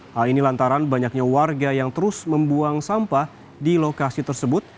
hal ini lantaran banyaknya warga yang terus membuang sampah di lokasi tersebut